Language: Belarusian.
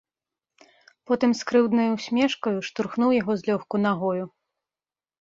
Потым з крыўднаю ўсмешкаю штурхнуў яго злёгку нагою.